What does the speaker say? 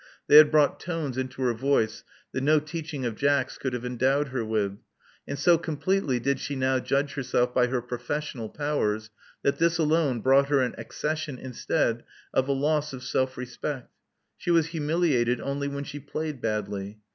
They had brought tones into her voice that no teaching of Jack's could have endowed her with; and so completely did she now judge herself by her professional powers, that this alone brought her an accession instead of a loss of self respect. She was humiliated only when she played badly.